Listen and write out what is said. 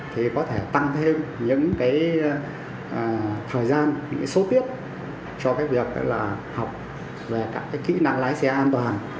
thì có thể tăng thêm những thời gian những số tiết cho việc học về kỹ năng lái xe an toàn